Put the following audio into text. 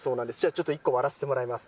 ちょっと１個、割らせてもらいます。